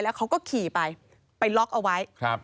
เขาก็ขี่ไปไปล็อกเอาไว้